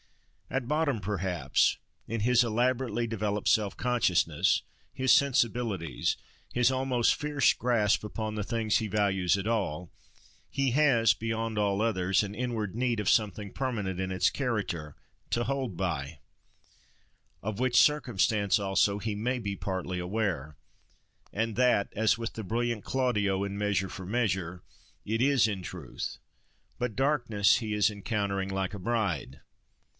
At bottom, perhaps, in his elaborately developed self consciousness, his sensibilities, his almost fierce grasp upon the things he values at all, he has, beyond all others, an inward need of something permanent in its character, to hold by: of which circumstance, also, he may be partly aware, and that, as with the brilliant Claudio in Measure for Measure, it is, in truth, but darkness he is, "encountering, like a bride."